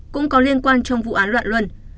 cũng có liên quan trong vụ án loạn luân